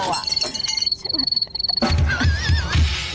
ใช่ไหม